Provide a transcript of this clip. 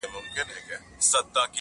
همېشه به يې دوه درې فصله کرلې!